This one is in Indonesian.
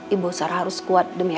ibu sarah harus kuat demi